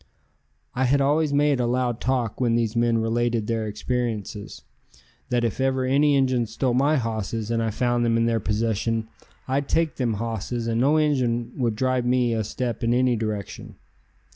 I had always made a loud talk when these men related their experiences, that if ever any Injuns stole my hosses and I found them in their possession I'd take them hosses and no Injun would drive me a step in any direction.